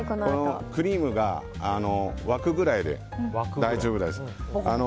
クリームが沸くぐらいで大丈夫です。